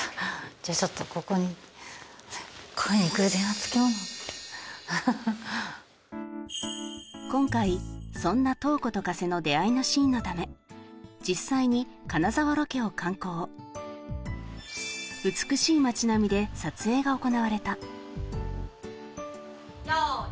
じゃちょっとここに今回そんな瞳子と加瀬の出会いのシーンのため実際に金沢ロケを敢行で撮影が行われた・用意